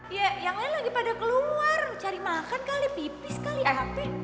iya yang lain lagi pada keluar cari makan kali pipis kali ihp